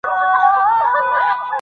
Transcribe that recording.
د استاد سپکاوی نه ترسره کېږي.